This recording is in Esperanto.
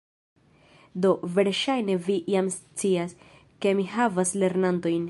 Do, verŝajne vi jam scias, ke mi havas lernantojn